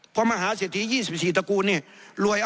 เพราะมหาเสถีย๒๔ตระกูลเนี่ย